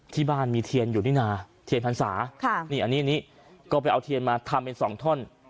ที่บ้านมีเทียนอยู่นี่นะเทียนพรรษานี่อันนี้ก็ไปเอาเทียนมาทำเป็นสองท่อน